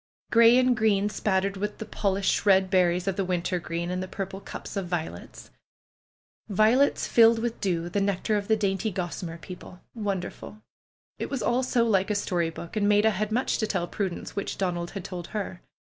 Gray and green, spattered with the polished red berries of the wintergreen, and the purple cups of violets ! Vio 19 ^ PRUE'S GARDENER lets filled with dew, the nectar of the dainty gossamer people ! Wonderful ! It was all so like a story book ! And Maida had much to tell Prudence which Donald had told her.